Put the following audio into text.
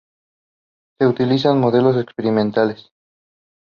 Se utilizan modelos experimentales.